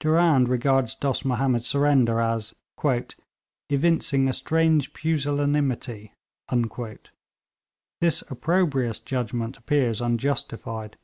Durand regards Dost Mahomed's surrender as 'evincing a strange pusillanimity.' This opprobrious judgment appears unjustified.